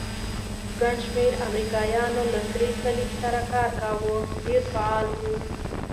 ګڼ شمېر امریکایانو له سرې صلیب سره کار کاوه، ډېر فعال وو.